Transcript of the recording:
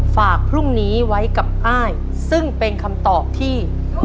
ฝากพรุ่งนี้ไว้กับอ้ายซึ่งเป็นคำตอบที่